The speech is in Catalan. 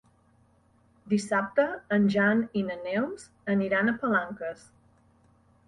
Dissabte en Jan i na Neus aniran a Palanques.